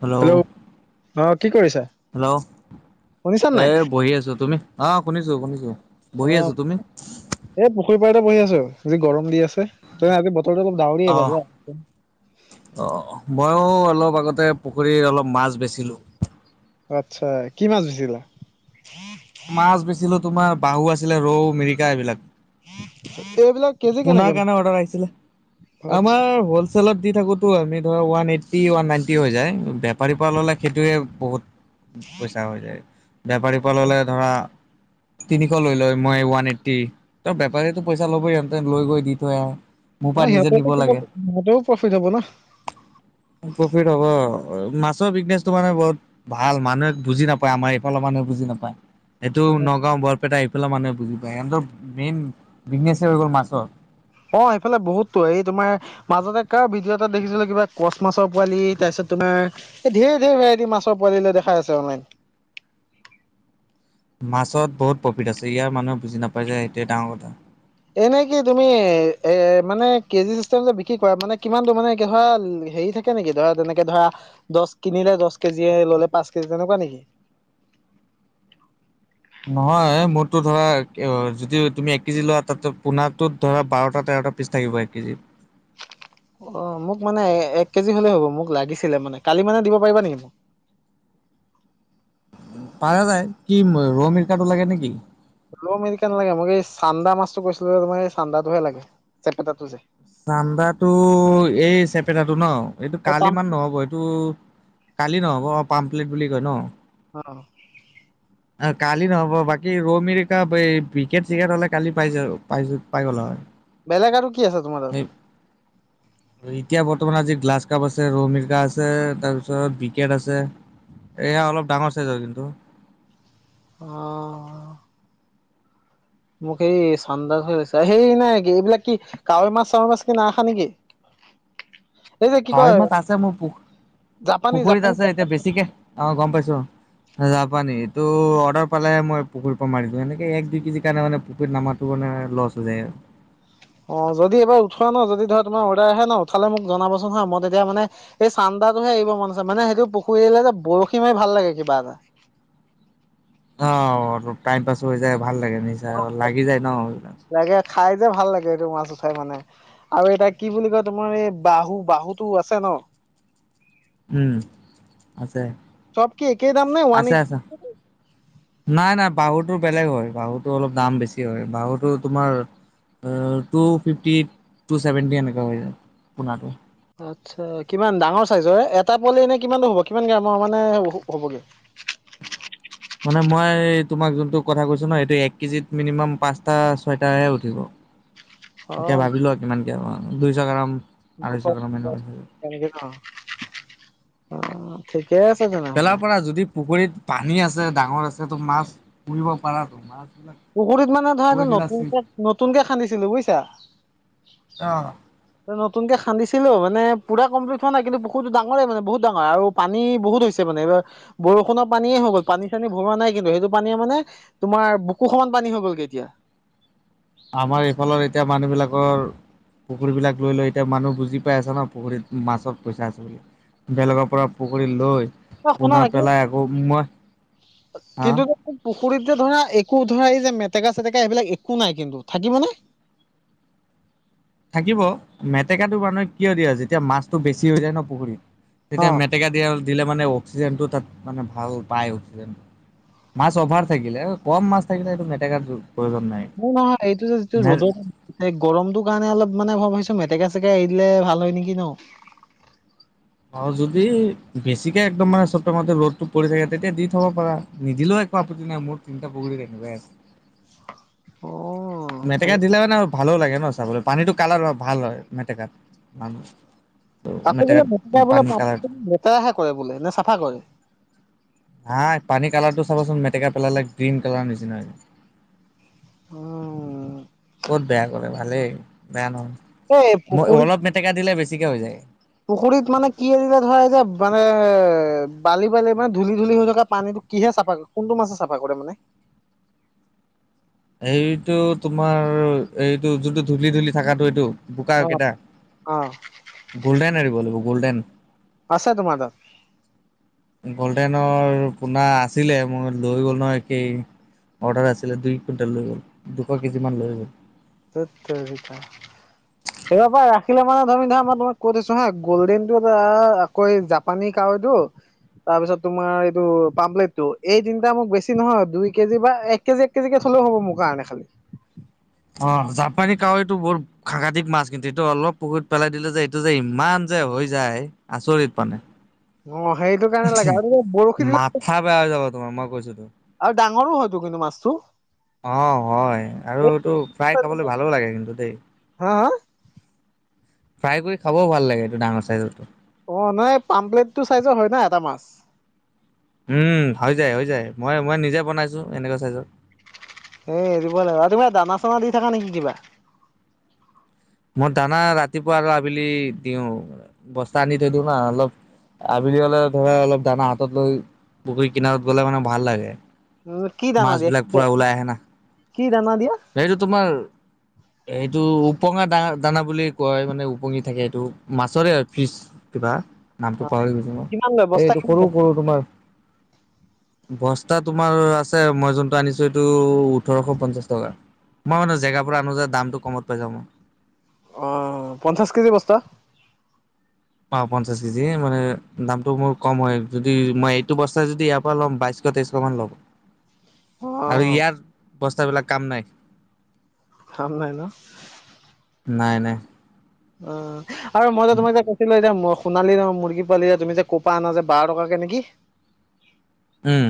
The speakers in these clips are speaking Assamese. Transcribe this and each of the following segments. হেল্ল'? অ' কি কৰিছা? হেল্ল'? শুনিছা এ নাই বহি আছো। তুমি? অ' শুনিছো শুনিছো অ বহি আছো। তুমি? এই পুখুৰী পাৰীতে বহি আছো, যি গৰম দি আছে। ত আজি বতৰটো অলপ ডাৱৰীয়াই অহ বাৰু। অ' ময়ো অলপ আগতে পুখুৰীৰত অলপ মাছ বেচিলোঁ। আচ্ছা কি মাছ বেছিলা? মাছ বেচিলো তোমাৰ বাহু আছিলে ৰৌ মিৰিকা এইবিলাক। এইবিলাক কেজি কেনেকে পোনাৰ কাৰণে অৰ্ডাৰ আহিছিলে। আচ্ছা আমাৰ হ'ল চেলত দি থাকোতো, আমি ধৰ ওৱান এইটি ওৱান নাইনটি হৈ যায় বেপাৰীৰ পৰা ল'লে সেইটোৱে বহুত পইচা হৈ যায়। বেপাৰী ললে ধৰা তিনিশ লৈ লয়, মই ওৱান এইট্টি। ত' বেপাৰীতো পইচা লবই ইহঁতে লৈ গৈ দি থৈ আহে। মোৰ অ' পৰা নিজে নিব সিহঁতৰো লাগে সিহঁতেও প্ৰফিট হব না। প্ৰফিট হ'ব। মাছৰ বিজনেছো মানে বহুত ভাল, মানুহে বুজি নাপায় আমাৰ এইফালৰ মানুহে বুজি নাপায়। সেইটো নগাঁও বৰপেটা এইফালে মানুহে বুজি পায়, সিহঁতৰ মেইন বিজনেছে হৈ গ'ল মাছৰ। অ সেইফালে বহুততো এই তোমাৰ মাজতে কাৰ ভিডিঅ' এটা দেখিছিলো কিবা কচ মাছৰ পোৱালি তাৰপিছত তোমাৰ এই ধেৰ ধেৰ ভেৰাটি মাছৰ পোৱালি দেখাই আছে অনলাইন মাছত বহুত প্ৰফিট আছে ইয়াৰ মানুহে বুজি নাপাই য যে সেইটোৱে ডাঙৰ কথা এনে কি তুমি এ মানে কেজি চিছষ্টম যে বিক্ৰী কৰা মানে কিমান ত মানে হে থাকে কেনেকে ধৰা তেনেকে ধৰা দহ কিনিলে দহ কেজি ললে পাঁচ কেজি তেনেকুৱা নেকি নহয় মোৰতো ধৰা যদি তুমি এক কেজি লোৱা তাত পোনোত ধৰা বাৰটা তেৰটা পিছ থাকিব এক কেজিত অ মোক মানে এক কেজি হ'লেই হ'ব মোক লাগিছিলে মানে কালি মানে দিব পাৰিবা নেকি মোক পাৰা যায় কি ৰৌ মিৰিকাটো লাগে নেকি ৰৌ মিৰিকা নালাগে মোক এই চান্দা মাছটো কৈছিলো যে তোমাৰ এই চান্দাটোহে লাগে চেপেটাটো যে চান্দাটো এই চেপেটাটো ন এইটো সেই কালি পাম ইমান নহ'ব এইটো কালি নহ'ব অ পাম্প্লেট বুলি কয় ন অ অ কালি নহ'ব বাকী ৰৌ মিৰিকা এই বিকেট চিকেট হলে কালি পাই যাব পাই গল হয় বেলেগ আৰু কি আছে তোমাৰ তাত এতিয়া বৰ্তমান আজি গ্লাছ কাপ আছে ৰৌ মিৰিকা আছে তাৰপিছত বিকেট আছে এয়া অলপ ডাঙৰ চাইজ আৰু কিন্তু অ মোক এই চান্দা হৈ [unintelligible] সেই নাই কি এইবিলাক কি কাৱৈ মাছ চাৱৈ মাছ কি নাখা নেকি [inaudible] এই যে কি কাৱৈ কয় মাছ আছে মোৰ পু জাপানী -পুখুৰীত জাপানী আছে এতিয়া বেছিকে অ গম পাইছো যাব পানে এইটো অৰ্ডাৰ পালে মই পুখুৰীৰ পৰা মাৰিছো এনেকে এক দুই কেজি কাৰণে মানে পুুখুৰীত নাম ত মানে লছ হৈ যায় অ যদি এইবাৰ উঠোৱা ন যদি ধৰা তোমাৰ অৰ্ডাৰ আহে ন উঠালে মোক জনাবচোন হা মই তেতিয়া মানে এই চান্দাটোহে এৰি মন আছে মানে সেইটো পুখুৰীলে যে বৰশী মাৰি ভাল লাগে কিবা এটা অ টাইম পাছ হৈ যায় ভাল লাগে নিচায় লাগি যায় ন লাগে খাই যে ভাল লাগে এইটো মাছ উঠাই মানে আৰু এতিয়া কি বুলি কয় তোমাৰ এই বাহু বাহুটো আছে ন উম আছে চব কি একেই দাম নাই ওৱান আছে এইটি আছে নাই নাই বাহুটো বেলেগ হয় বাহুটো অলপ দাম বেছি হয় বাহুটো তোমাৰ টু ফিফটি টু ছেভেণ্টি এনেকুৱা হৈ যায় পনাটো আচ্ছা কিমান ডাঙৰ চাইজৰ এটা পোৱালি এনে কিমানটো হ'ব কিমান গ্ৰামৰ মানে হ'বগে মানে মই তোমাক যোনটো কথা কৈছো ন সেইটো এক কেজিত মিনিমাম পাঁচটা ছয়টাহে উঠিব হয় এতিয়া ভাবিলো আৰু কিমান ক দুইশ গ্ৰাম আঢ়ৈশ গ্ৰাম এনেকুৱা জ অ ঠিকে আছে জানো পেলাৰ পৰা যদি পুখুৰীত পানী আছে ডাঙৰ আছে তো মাছ পুৰিব পাৰটোো মাছবিলাক পুখুৰীত মানে থৈ ধৰা দিলা চিপ নতুনকে নতুনকে খান্দিছিলো বুজছা অ নতুনক কে খান্দিছিলো মানে পুৰা কমপ্লি হ নাই কিন্তু বহুতোাঙই মানে বহুত ডাঙৰ আৰু পানী বহুত হৈছে মানে এইবাৰ বৰষুণৰ পানীয়ে হৈ গ'ল পানী চানী ভৰোৱা নাই কিন্তু সেইটো পানীয়ে মানে তোমাৰ বুকু সমত পানী হৈ গ'ল কেে এতিয়া আমাৰ এইফালৰ এতিয়া মানুহ বিিলাকৰ পুখুৰীবাক লৈ লৈ এতিয়া মানুহ বুজি পাই আছে ন পুখুৰীত মাছত পইচা আছে বুলি বেলেগৰ পৰা পুখুৰী লৈ অ শুনা পোনাা না কিন্তু পেলাই আকৌ মই হা কিন্তু পুখুৰীত যে ধৰা একো ধৰা এই যে মেটেকা চেটেকা এইবিলাক একো নাই কিন্তু থাকিব নে থাকিব মেটেকাটো মানুহ কিয় দিয়া যেতিয়া মাছতটো বেছি হৈ যায় ন পুখুৰীত অ তেতিয়া মেটেকা দিয়, দিলে মানে অক্সিজেনটো তাত মানে ভাল পায় অক্সিজেন মাছ অভাৰ থাকিলে। কম মাছ থাকিলে এইটো মেটেকা প্ৰয়োজন নাই। [unintelligible] নহয় এইটো যে যিটো নাই ৰ'দত এই গৰমটোৰ কাৰণে অলপ মানে- ম ভাবিছো মেটেকা-চেটেকা এৰি দিলে ভাল হয় নেকি ন? অ' যদি বেছিকে একদম মানে চব টাইমতে ৰ'দটো পৰি থাকে, তেতিয়া দি থব পাৰা। নিদিলেও এ -কো আপত্তি নাই। মোৰ তিনটা পুখুৰীত এনকোৱা আছে। অহ। মেটেকা দিলে মানে আৰু ভালো লাগে ন, চাবলৈ। পানীটো কালাৰ ভাল হয় মেটেকাত, আকৌ বোলে মেটেকাত মেটেকা পানী কালাৰ [unintelligible] লেতেৰাহে কৰে বোলে। নে চাফা কৰে? নাই। পানী কালাৰটো চাবাচোন মেটেকা পেলালে গ্ৰীণ কালাৰ নিচিনা হয়। উম ক'ত বেয়া কৰে, ভালেই। বেয়া নহয়। এই ম পুখুৰী অলপ মেটেকা দিলে বেছিকে হৈ যায়। পুখুৰীত মানে কি এৰিলে, ধৰা যে -মানে বালি -বালি মানে ধূলি- ধূলি হৈ থকা পানীটো কিহে চাফা ক, কোনটো মাছে চাফা কৰে মানে? এইটো তোমাৰ, এইটো যোনটো ধূলি- ধূলি থাকাটো এইটো বোকা কেইটা। অ' গল্ডেন এৰিব লাগিব গ'ল্ডেন। আছে তোমাৰ তাত? গল্ডেনৰ পোনা আছিলে, মোৰ। লৈ গ'ল নহয় [unintelligible] অৰ্ডাৰ আছিলে। দুই কুইণ্টেল লৈ গ'ল। দুশ কেজিমান লৈ গ'ল। ধেৎ তেৰিকা। এইবা পা ৰাখিলে মানে তুমি ধৰা, মই তোমাক থৈছো হা -গল্ডেনতটো আকৌ জাপানী কাৱৈটো তাৰপিছত তোমাৰ এইটো পাম্পলেটটো। এই তিনটা মোক বেছি নহয়, দুই কেজি বা এক কেজি এক কেজিকে থ'লেও হব মোৰ কাৰণে খালি। অহ। জাপানি কাৱৈটো বহুত সাংঘাতিক মাছ, কিন্তু এইটো অলপ পুখুৰীত পেলাই দিলে যে এইটো যে ইমান যে হৈ যায়, আচৰিত মানে। অ' সেইটো কাৰণে লাগে আৰু বৰশী দিলে মাথা বেয়া হৈ যাব তোমাৰ। মই কৈছোতো আৰু ডাঙৰো হয়তো কিন্তু মাছটো। অহ হয়। আৰুটো ফ্ৰাই খাবলৈ ভালো লাগে কিন্তু দেই। হা হা ফ্ৰাই কৰি খাবও ভাল লাগে। এইটো ডাঙৰ চাইজৰটো। অ' নাই। পামপ্লেটটো চাইজৰ হয় ন এটা মাছ। উম। হৈ যায়। হৈ যায়। মই- মই নিজে বনাইছো, এনেকুৱা চাইজৰ। এ এৰিবই লাগিব। আৰু তুমি দানা -চানা দি থাকা নেকি কিবা? মোৰ দানা ৰাতিপুৱা আৰু আবেলি দিওঁ। বস্তা আনি থৈ দিওঁ না অলপ। আবেলি হলে ধৰা, অলপ দানা হাতত লৈ পুখুৰী কিনাৰত গলে মানে ভাল লাগে। উ কি দানা দিয়া মাছবিলাক কি পুৰা ওলাই আহে না। কি দানা দিয়া? হেইটো তোমাৰ এইটো ওপঙা দ- দানা বুলি কয়। মানে ওপঙি থাকে এইটো। মাছৰে হয় ফিচ। কিবা। নামটো অ পাহৰি গৈছো মই। কিমান লয় বস্তা এইটো কিমান লয় সৰু-সৰু তোমাৰ বস্তা তোমাৰ আছে, মই যোনটো আনিছো এইটো ওঠৰশ পঞ্চাশ টকা। মই মানে জেগা পৰা আনো যে দামটো কমত পাই যাওঁ মই। অহ। পঞ্চাছ কেজি বস্তা? অহ। পঞ্চাছ কেজি। মানে দামটো মোৰ কম হয়, যদি মই এইটো বস্তাই যদি ইয়াৰ পৰা ল'ম, বাইছশ -তেইছশমান ল'ব। [inaudible] অ আৰু ইয়াৰ বস্তাবিলাক কাম নাই। [unintelligible] নাই ন। নাই। নাই। অহ। আৰু মই যে তোমাক যে ক -ছিলো এতিয়া সোণালি ৰংৰ মুৰ্গী পোৱালি, এতিয়া তুমি যে ক'ৰপা আনা যে বাৰ টকাকে নেকি? উম।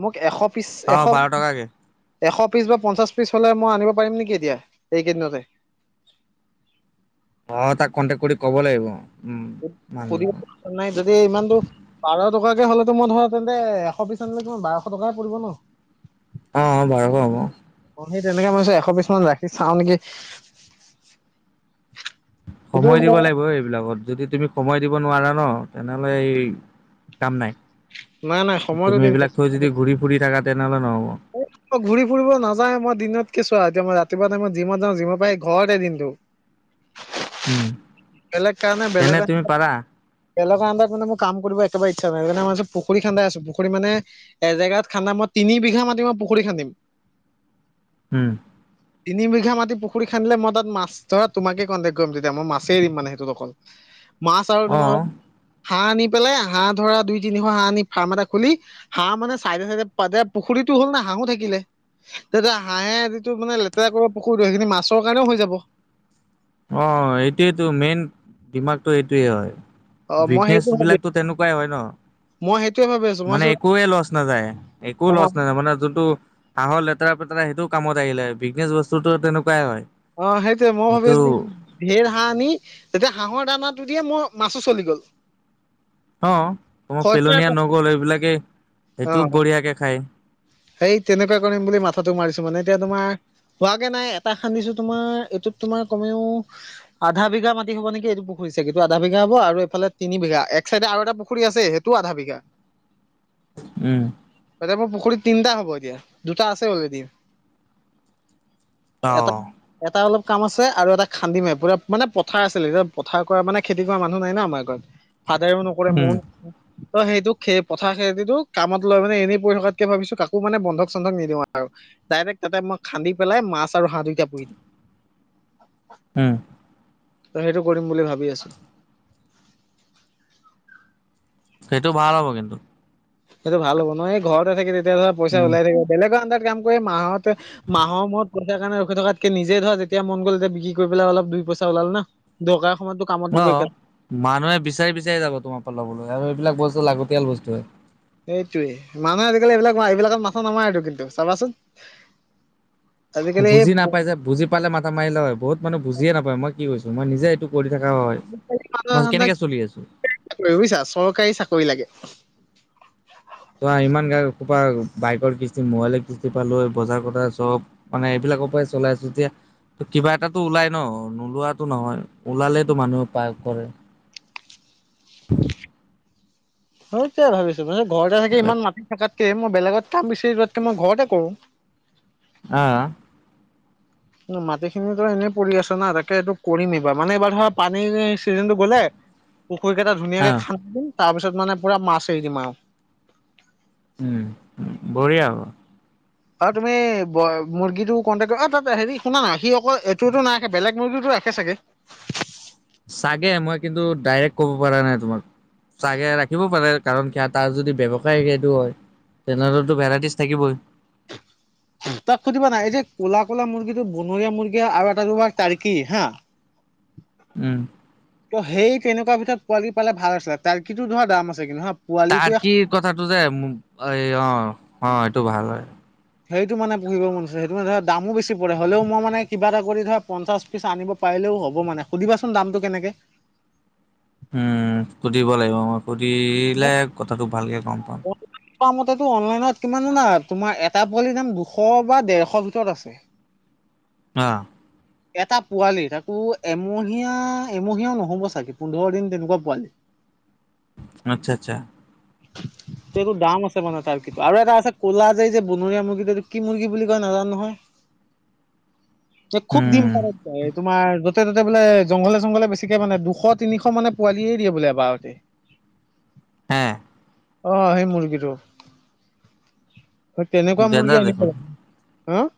মোক এশ, পিছ অ এশ বাৰ টকাকে এশ পিচ বা পঞ্চাছ পিছ হ'লে মই আনিব পাৰিম নেকি এতিয়া, এইকেইদিনতে অ, তাক কণ্টেক্ট কৰি ক'ব লাগিব। উম সুধিব মানুহজনক চোন ফোন মাৰি যদি ইমানটো বাৰ টকাকে হলেতো মই ধৰা তেন্তে এশ পিছ আনিলে তোমাৰ বাৰশ টকাই পৰিব ন। অ, বাৰশ হ'ব। অ, সেই তেনেকে মই, এশ বিছ মান ৰাখি চাওঁ নেকি। সময় সেইটো দিব লাগিব এইবিলাকত যদি তুমি সময় দিব নোৱাৰা ন, তেনেহ'লে এই কাম নাই। নাই নাই সময়তো তুমি দিম এইবিলাক থৈ যদি ঘূৰি-ফুৰি থকা তেনেহ'লে নহ'ব। অ, ঘূৰি ফুৰিব নাযাওঁই মই দিনত কে চোৱা আৰু এতিয়া মই ৰাতিপুৱা টাইমত যি'মত যাওঁ যি'ম পাৰাই ঘৰতে দিনটো। উম, বেলেগ কাৰণে তেনে বেলেগ তুমি পাৰা বেলেগৰ আনদাৰত মানে কাম কৰিব একেবাৰে ইচ্ছা নাই, সেইণে মই পুখুৰী খান্দাই আছো, পুখুৰী মানে এজেগাত খান্দা, মই তিনি বিঘা মাতি মই পুখুৰী খান্দিম। উম, তিনি বিঘা মাটি পুখুৰী খানিলে, মই তাত মাছ ধৰা তোমাকে কনটেক কৰিম, তেতিয়া মা মাছে দিম মানে সেইটোত অকল, মাছ আৰু অ তোমাৰ হাঁহ আনি পেলাই হাঁহ ধৰা দুই, তিনিশ হাঁহ আনি ফাৰ্ম এটা খুলি হাঁহ মানে চাইদে -চাইদে পাদে পুখুৰীতটো হ'ল না হাঁহো থাকিলে। তেতিয়া হাঁহে যিটো মানে লেতেৰা কৰিব পুখুৰী সেইখিনি মাছৰ কাৰণেও হৈ যাব। অ, এইটোৱেইটো মেইন দিমাগটো এইটোৱেই হয়। অ মই বিগনেচ সেইটো ভাবি বিলাকতো তেনেকুৱাই হয় ন। মই সেইটোয়ে ভাবি আছো। মই মানে একেয়ে লছ নাযায়, একো অ লছ নাযায়, মানে যোনটো আগৰ লেতেৰা-পেতেৰা সেইটো কামত আহিলে, বিজনেছ বস্তুতটো তেনেকুৱাই হয়। অ, সেইটোৱে মও ভাবি সেইটো আছো ঢেৰ হাঁহ আনি, তেতিয়া হাঁহৰ দানাটো দিয়ে মোৰ মাছো চলি গ'ল। অ, খৰচা পেলনীয়া এটা নগ'ল এইবিলাকে, অ সেইটোও বঢ়িয়াকৈ খায়। সেই তেনেকুৱা কৰিম বুলি, মাথাটো মাৰিছো, মানে এতিয়া তোমাৰ হোৱাগে নাই, এটা খান্দিছো তোমাৰ এইটোত তোমাৰ কমেও আধা বিঘা মাটি হ'ব নেকি, এইটো পুখুৰীট চাগে, সেইটো আধা বিঘা হ'ব, আৰু ফালে তিনি বিঘা এক চাইডে আৰু এটা পুখী আছে সেইটো সেইটোও আধা বিঘা। উম, এতিয়া মোৰ পুখুৰীত তিনটা হ'ব এতিয়া, দুটা আছে অলৰেডি। অ এটা। এটা অলপ কাম আছে আৰু এটা খান্দিমে পুৰা মানে পথাৰ আছিল, পথাৰ কৰা মানে, খেতি কৰা মানুহ নাই ন আমাৰ ঘৰত। ফাদাৰেও নকৰে উম ময় নকৰে, ত সেইটো পথাৰ খেতিটো কামত লয় মানে এনেই পৰি থকাত তেকে ভাবিছো কাকো মানে বন্ধক-চন্ধক নিদিওঁ আৰু ডাইৰেক তাতেই খান্দি পেলাই মাছ আৰু হাঁহ দুইটা পুহি দিম। উম, ত, সেইটো কৰিম বুলি ভাবি আছো। সেইটো ভাল হ'ব কিন্তু। সেইটো ভাল হ'ব নহয়, এই ঘৰতে থাকি তেতিয়া ধৰা পইচা উম। ওলাই থাকিব, বেলেগৰ আডাৰ কাম কৰি মাহত মাহৰ মূৰত পইচাৰ কাৰণে ৰখি থকা তাতকে নিজে ধৰা যেতিয়া মন গ'ল তেতিয়া বিক্ৰী কৰিলৈ অলপ দুই পইচা ওলালো ন। দৰকাৰ সময়তো অ, মানুহে বিচাৰি বিচাৰি যাব তোমাৰ পৰা ল'বলৈ আৰু এইবিলাক বস্তু লাগতিয়াল বস্তোয়ে। সেইটোৱে মানুহে আজিকালি এইবিলাক এইবিলাকত মাথা নামাৰেটো কিন্তু চাবাচোন। আজিকালি সেই বুজি নাপাই যে, বুজ পালে মাথা মাৰিলে হয় বহুত মানুহ বুজিয়ে নাপায় মই কি কৈছো মই নিজে এইটো কৰি থকা হয়, মই কেনেকে চলি আছো। [inaudible] বুজিছা চৰকাৰী চাকৰি লাগে। চোৱা ইমান গা খোপা বাইকৰ কিস্তি, মোবাইলৰ কিস্তি পা লৈ বজাৰ চজাৰ চব। মানে এইবিলাকৰ পৰাই চলাই আছোঁ তেতিয়া কিবা এটাতো ওলাই ন, নোলোৱাতো নহয়। ওলালেইটো মানুহে পাই, কৰে। সেইটাৱেই ভাবিছোঁ, ঘৰতে থাকি ইমান মাটি থাকাতকে মই বেলেগত কাম বিচাৰি যোৱাতকে, মই ঘৰতে কৰোঁ। অ'। মাটিখিনিটো এনে পৰি আছে না, তাকে এইটো কৰিম এইবাৰ। মানে এইবাৰ ধৰা পানী চিজনতটো গ'লে পুখুৰীকেইটা ধুনীয়াকে আহ খান্দদিম, তাৰপিছত মানে পুৰা মাছ এৰি দিম আৰু। উম, বঢ়িয়া হ'ব। আৰু তুমি ব মুৰ্গীটো কণ্টেক্ট, তাত হেৰি শুনা না সি অকল এইটোতো নাই ৰাখে, বেলেগ মুৰ্গীওটো ৰাখে চাগে? চাগে, মই কিন্তু ডাইৰেক্ট ক'ব পাৰা নাই তোমাক। চাগে, ৰাখিব পাৰে কাৰণ তাৰ যদি ব্যৱসায় সেইটো হয়। তেনহ'লেটো ভেৰাইটিজ থাকিবই। তাক সুধিবা না, এই যে ক'লা, ক'লা মুৰ্গীটো বনৰীয়া মুৰ্গী আৰু এটা তাৰকি হা। উম। ত' সেই তেনেকুৱা ভিতৰত পোৱালি পালে ভাল আছিলে তাৰ্কিটো ধৰা দাম আছে কিন্তু হা'। পোৱালিটোৱে তাৰ্কি কথাটো যে এই অ', অ', এইটো ভাল হয়। সেইটো মানে পুহিব মন আছে, সেইটো মানে ধৰা দামো বেছি পৰে হ'লেও মই মানে কিবা এটা কৰি ধৰা পঞ্চাছ পিছ আন পাৰিলেও হ'ব মানে, সুধিবাচোন দামটো কেনেকে? উম, সুধিব লাগিব মই সুধিলে কথাটো ভালকে গম পাওঁ। তোমাৰ মতেটো অনলাইনত কিমান জানা, তোমাৰ এটা পোৱালিৰ দাম দুশ বা ডেৰশৰ ভিতৰত আছে। অ'। এটা পোৱালি, তাকো এমহীয়া, এমহীয়াও নহ'ব চাগে পোন্ধৰ দিন তেনেকুৱা পোৱালি। আচ্ছা, আচ্ছা। [inaudible] ত' এইবোৰ দাম আছে মানে তাৰ্কি আৰু এটা আছে ক'লা এই যে বনৰীয়া মুৰ্গীটো এইটো কি মুৰ্গী বুলি কয় নাজানো নহয়! [unintelligible] খুব উম ডিম পাৰে [unintelligible] তোমাৰ। য'তে ত'তে বোলে জংঘলে চংঘলে বেছিকে মানে দুশ তিনিশ মানে পোৱালিয়ে দিয়ে বোলে এবাৰতে। হে'! অ', সেই মুৰ্গীটো, তেনেকুৱা মুৰ্গী ডেঞ্জাৰ আনিব দেখোন লা হ'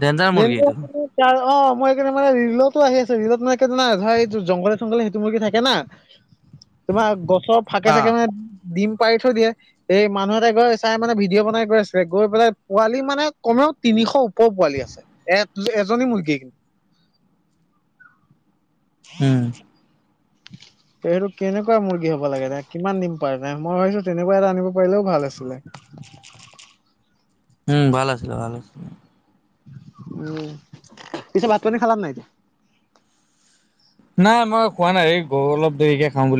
ডেঞ্জাৰ মুৰ্গী এইটো [unintelligible] অ, মই মানে ৰিলতো আহি আছো, ৰিলত মানে কি জানা ধৰা এইটো জংঘলে চংঘলে সেইটো মোৰ কি থাকে না! তোমাৰ গছৰ ফাকে অ চাকে মানে ডিম পাৰি থৈ দিয়ে। এই মানুহ এটাই গৈ চাই মানে ভিডিঅ' বনাই গৈ আছিলে, গৈ পেলাই পোৱালি মানে কমেও তিনিশ ওপৰ পোৱালি আছে। এ, এজনী মুৰ্গী। উম। [inaudible] সেইটো কেনেকুৱা মুৰ্গী হ'ব লাগে দে, কিমান ডিম পাৰে দে, মই ভাবিছোঁ তেনেকুৱা এটা আনিব পাৰিলেও ভাল আছিলে। [inaudible] উম, ভাল আছিলে ভাল আছিলে। উম, পিছে ভাত পানী খালা নাই? নাই, মই খোৱা নাই [unintelligible] অলপ দেৰিকে খাওঁ বুলি।